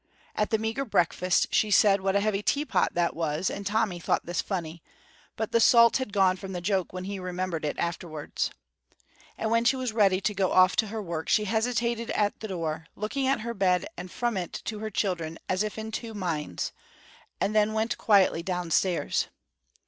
At the meagre breakfast she said what a heavy teapot that was, and Tommy thought this funny, but the salt had gone from the joke when he remembered it afterwards. And when she was ready to go off to her work she hesitated at the door, looking at her bed and from it to her children as if in two minds, and then went quietly downstairs.